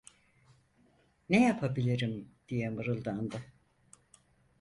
"Ne yapabilirim?" diye mırıldandı.